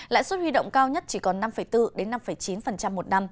lãi suất huy động cao nhất chỉ còn năm bốn năm chín một năm